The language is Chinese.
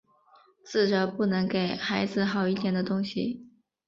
自责不能给孩子好一点的东西